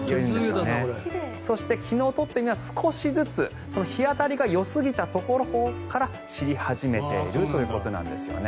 そして、昨日撮ってみますと少しずつ、日当たりがよすぎたところから散り始めているということなんですよね。